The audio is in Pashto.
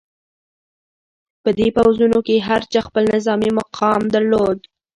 په دې پوځونو کې هر چا خپل نظامي مقام درلود.